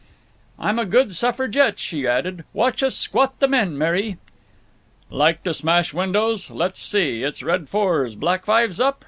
"I'm a good suffragette," she added. "Watch us squat the men, Mary." "Like to smash windows? Let's see—it's red fours, black fives up?"